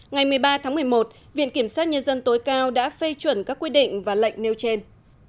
ngày một mươi ba tháng một mươi một viện kiểm sát nhân dân tối cao đã phê chuẩn các quy định và lệnh nêu trên